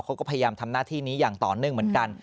เขาก็พยายามทำหน้าที่นี้อย่างต่อเนื่องเหมือนกัน